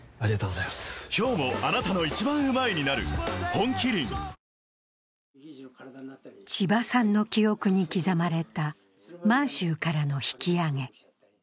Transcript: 本麒麟ちばさんの記憶に刻まれた満州からの引き揚げ。